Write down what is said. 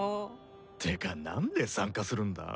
ってか何で参加するんだ？